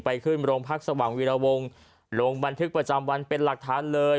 ขึ้นโรงพักสว่างวีรวงลงบันทึกประจำวันเป็นหลักฐานเลย